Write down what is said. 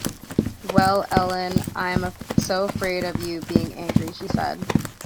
‘Well, Ellen, I’m so afraid of you being angry,’ she said.